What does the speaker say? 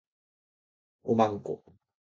懐かしの味